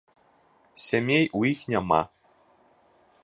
Сямей у іх няма.